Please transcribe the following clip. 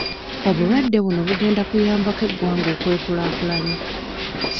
Obulwadde buno bugenda kuyambako eggwanga okwekulaakulanya.